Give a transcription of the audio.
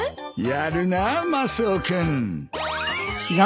やるなマスオ君。